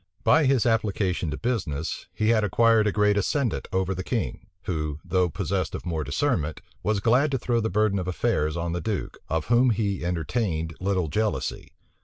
By his application to business, he had acquired a great ascendant over the king; who, though possessed of more discernment, was glad to throw the burden of affairs on the duke, of whom he entertained little jealousy.